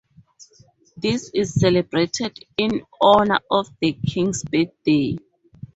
This is celebrated in honour of the King's birthday.